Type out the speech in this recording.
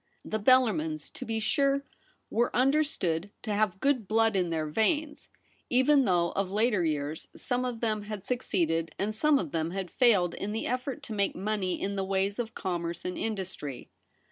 The Bellarmins, to be sure, were understood to have good blood in their veins, even though of later years some ROLFE BELLARMIN. 193 of them had succeeded and some of them had failed in the effort to make money in the ways of commerce and industry.